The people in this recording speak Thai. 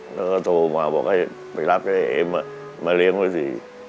แล้วก็โทรมาบอกให้ไปรับไอ้เอ็มมาเลี้ยงไว้สิ